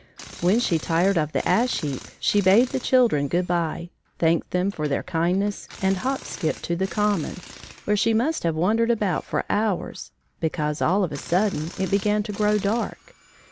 When she tired of the ash heap she bade the children good by, thanked them for their kindness, and hop skipped to the Common, where she must have wandered about for hours, because, all of a sudden, it began to grow dark.